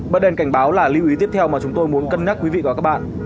berden cảnh báo là lưu ý tiếp theo mà chúng tôi muốn cân nhắc quý vị và các bạn